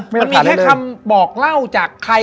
มันมีแค่คำบอกเล่าจากใคร